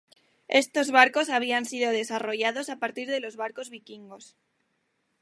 Estos barcos habían sido desarrollados a partir de los barcos vikingos.